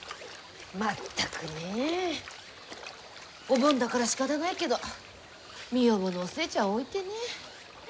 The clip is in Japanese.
全くねえ。お盆だからしかたないけど身重のお寿恵ちゃんを置いてね。